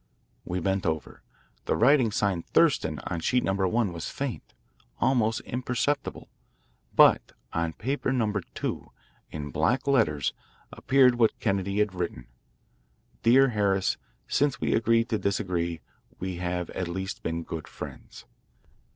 We bent over. The writing signed "Thurston" on sheet number one was faint, almost imperceptible, but on paper number two, in black letters, appeared what Kennedy had written: " Dear Harris: Since we agreed to disagree we have at least been good friends."